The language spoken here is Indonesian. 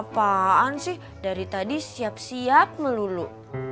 tunggu sih dari tadi siap siap melulu